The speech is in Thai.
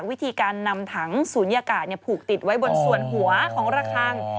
วิธีการนำถังศูนยากาศผูกติดไว้บนส่วนหัวของระคัง